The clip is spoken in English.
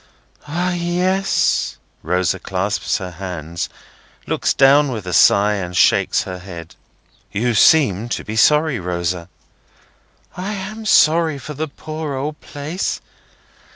"Ah, yes!" Rosa clasps her hands, looks down with a sigh, and shakes her head. "You seem to be sorry, Rosa." "I am sorry for the poor old place.